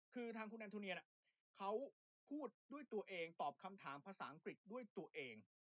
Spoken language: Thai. คือทางคุณแอนโทเนียเขาพูดด้วยตัวเองตอบคำถามภาษาอังกฤษด้วยตัวเอง